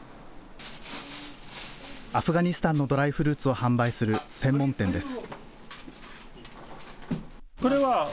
アフガニスタンのドライフルーツを販売する専門店です。